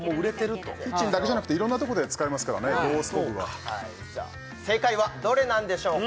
キッチンだけじゃなくていろんなところで使えますからね正解はどれなんでしょうか？